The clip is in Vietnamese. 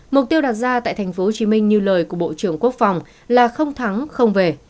mục tiêu đặt ra tại tp hcm như lời của bộ trưởng quốc phòng là không thắng không về